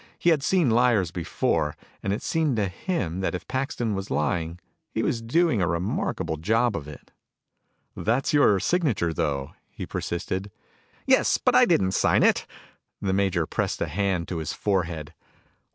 He had seen liars before, and it seemed to him that if Paxton was lying he was doing a remarkable job of it. "That's your signature, though," he persisted. "Yes, but I didn't sign it." The major pressed a hand to his forehead.